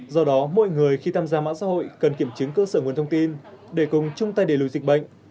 do đó mọi người khi tham gia mạng xã hội cần kiểm chứng cơ sở nguồn thông tin để cùng chung tay để lùi dịch bệnh